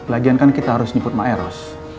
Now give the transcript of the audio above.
lagian kan kita harus nyimput ma'eros